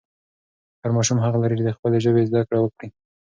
هر ماشوم حق لري چې د خپلې ژبې زده کړه وکړي.